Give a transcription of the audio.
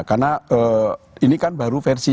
karena ini kan baru versi